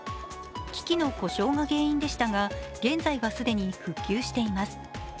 機器の故障が原因でしたが現在は既に復旧しています。